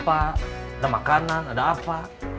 ada makanan ada apa